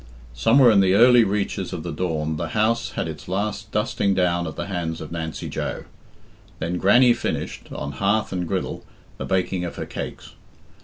Somewhere in the early reaches of the dawn the house had its last dusting down at the hands of Nancy Joe. Then Grannie finished, on hearth and griddle, the baking of her cakes.